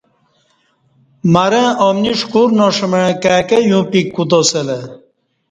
مرں امنی ݜکور ناݜ مع کای کہ یوں پیک کوتاسلہ